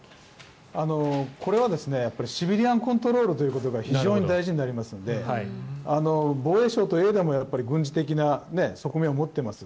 これはシビリアンコントロールが非常に大事になりますので防衛省といえども軍事的な側面を持っています。